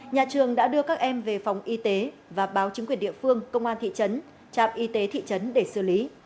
nhà trường đã đưa các em về phòng y tế và báo chính quyền địa phương công an thị trấn trạm y tế thị trấn để xử lý